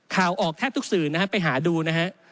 ข่าวออกแทบทุกสื่อนะฮะไปหาดูนะฮะ